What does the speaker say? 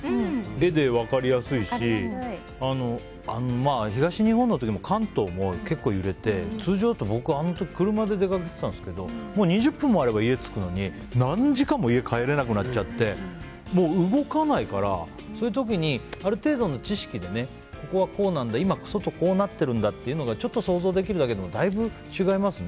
絵で分かりやすいし東日本大震災の時関東も結構揺れて、僕はあの時車で出かけてたんですけど２０分もあれば家に着くののに何時間も家に帰れなくなっちゃって動かないからそういう時にある程度の知識でここはこうなんだ外はこうなってるんだと想像できるだけでもだいぶ違いますね。